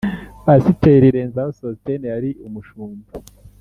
Pasiteri Renzaho Sostene yari Umushumba